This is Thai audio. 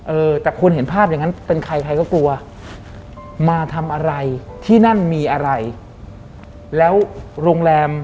เออแต่ควรเห็นภาพอย่างนั้น